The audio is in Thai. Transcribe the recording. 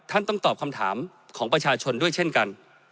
ต้องตอบคำถามของประชาชนด้วยเช่นกัน